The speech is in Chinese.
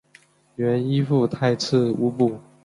原依附泰赤乌部。